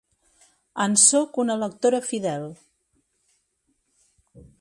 En sóc una lectora fidel.